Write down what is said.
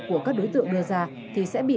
của các đối tượng đưa ra thì sẽ bị